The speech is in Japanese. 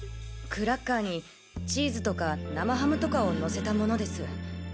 クラッカーにチーズとか生ハムとかをのせたモノです。